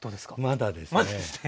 まだですね！